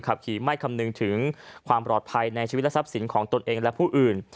ขับขี่ไม่คำนึงถึงความปลอดภัยในชีวิตและทรัพย์สินของตนเองและผู้อื่น